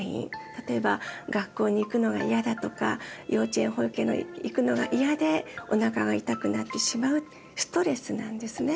例えば学校に行くのが嫌だとか幼稚園保育園に行くのが嫌でおなかが痛くなってしまうストレスなんですね。